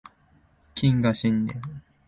謹賀新年